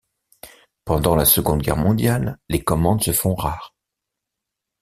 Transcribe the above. Pendant la Seconde Guerre mondiale, les commandes se font rares.